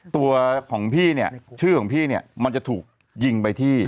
ตัวของพี่เนี่ยชื่อของพี่เนี่ยมันจะถูกยิงไปที่